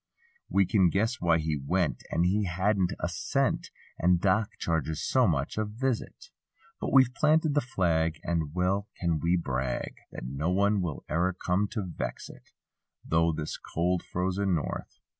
We can guess why he went. As he hadn't a cent And Doc charges so much a visit. But we've planted the flag. And well can we brag. That no one will e'er come to vex it; Though this cold frozen north.